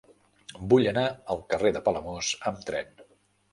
Vull anar al carrer de Palamós amb tren.